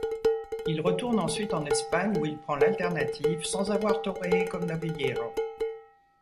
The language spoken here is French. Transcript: Il retourne ensuite en Espagne où il prend l’alternative, sans avoir toréé comme novillero.